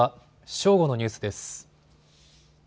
正午のニュースです。